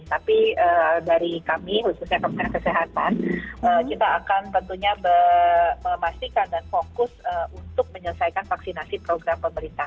tapi dari kami khususnya kementerian kesehatan kita akan tentunya memastikan dan fokus untuk menyelesaikan vaksinasi program pemerintah